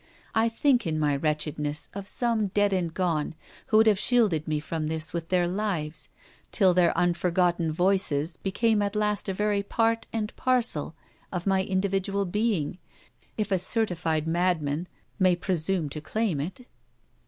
I thought in my wretchedness of some dead and gone who would have shielded me from this with their lives, till their unforgotten 'voices' became at last a very part and parcel of my individual being, if a certified madman may presume to claim it.